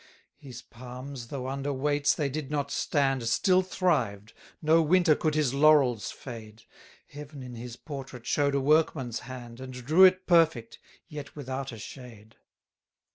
15 His palms, though under weights they did not stand, Still thrived; no winter could his laurels fade: Heaven in his portrait show'd a workman's hand, And drew it perfect, yet without a shade.